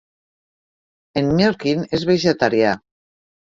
En Mirkin és vegetarià.